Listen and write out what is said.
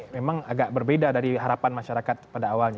memang agak berbeda dari harapan masyarakat pada awalnya